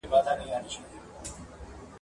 با خوفن ونارینوو ته